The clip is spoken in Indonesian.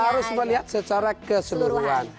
harus melihat secara keseluruhan